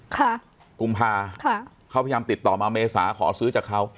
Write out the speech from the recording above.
กุมภาค่ะเขาพยายามติดต่อมาเมษาขอซื้อจากเขา